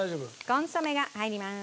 コンソメが入ります。